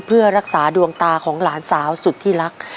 เพื่อรักษาดวงตาของหลานสาวสุดที่รัก